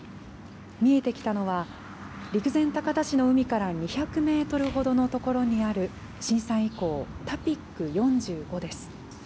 見えてきたのは、陸前高田市の海から２００メートルほどの所にある震災遺構、タピック４５です。